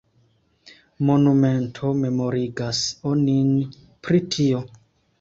Monumento memorigas onin pri tio.